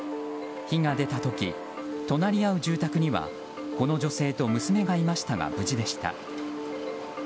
火が出た時隣り合う住宅には、この女性と娘がいましたが無事でした。